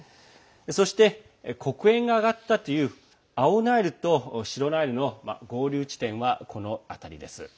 そして、黒煙が上がったという青ナイルと白ナイルの合流地点はこの辺りです。